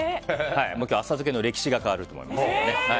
今日は浅漬けの歴史が変わると思います。